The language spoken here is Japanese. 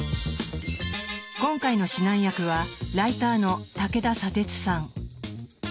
今回の指南役はライターの武田砂鉄さん。